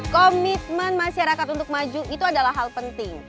komitmen masyarakat untuk maju itu adalah hal penting